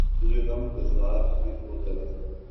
تجھے غم گسار کی ہو طلب